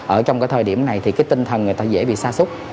ở trong cái thời điểm này thì cái tinh thần người ta dễ bị xa xúc